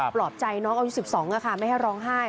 ปลอบใจน้องอายุ๑๒ไม่ให้ร้องไห้